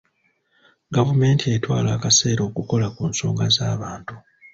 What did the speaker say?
Gavumenti etwala akaseera okukola ku nsonga z'abantu.